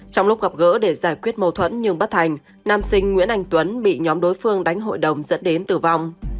trong lúc gặp gỡ để giải quyết mâu thuẫn nhưng bất thành nam sinh nguyễn anh tuấn bị nhóm đối phương đánh hội đồng dẫn đến tử vong